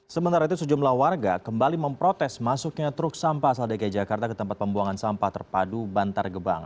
sementara itu sejumlah warga kembali memprotes masuknya truk sampah asal dki jakarta ke tempat pembuangan sampah terpadu bantar gebang